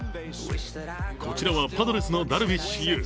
こちらはパドレスのダルビッシュ有。